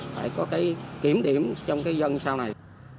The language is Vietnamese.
phải có kiểm điểm trong dân sau này